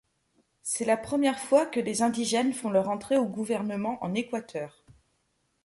C'est la première fois que des indigènes font leur entrée au gouvernement en Équateur.